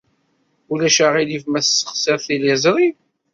Ulac aɣilif ma tessexsiḍ tiliẓri?